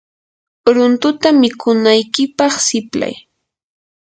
runtuta mikunaykipaq siplay.